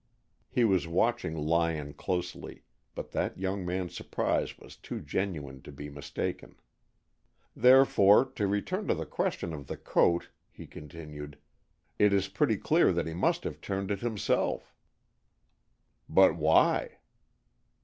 He was watching Lyon closely, but that young man's surprise was too genuine to be mistaken. "Therefore, to return to the question of the coat," he continued, "it is pretty clear that he must have turned it himself." "But why?"